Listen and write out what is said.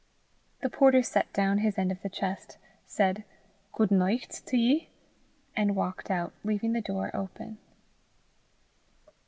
The porter set down his end of the chest, said "Guid nicht to ye," and walked out, leaving the door open.